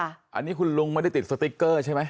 อันนี้คุณลุงไม่ได้ติดสติ๊กเกอร์ใช่ไหม